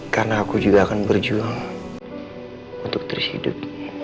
karena aku juga akan berjuang untuk terus hidup